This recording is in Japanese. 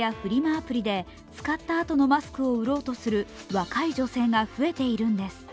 アプリで使ったあとのマスクを売ろうとする若い女性が増えているんです。